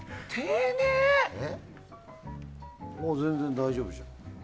もう全然大丈夫じゃん。